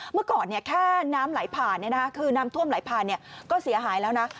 เมื่อก่อนแค่น้ำไหลผ่านคือน้ำท่วมไหลผ่านก็เสียหายแล้วนะ